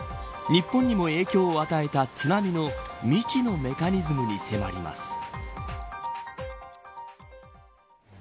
日本にも影響を与えた津波の未知のメカニズムに迫ります。